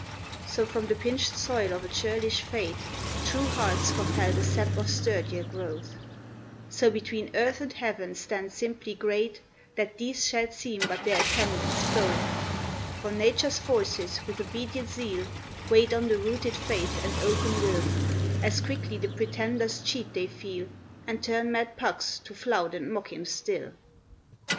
So from the pinched soil of a churlish fate, True hearts compel the sap of sturdier growth, So between earth and heaven stand simply great, That these shall seem but their attendants both; For nature's forces with obedient zeal Wait on the rooted faith and oaken will; As quickly the pretender's cheat they feel, And turn mad Pucks to flout and mock him still.